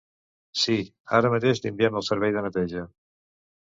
Sí, ara mateix li enviem el servei de neteja.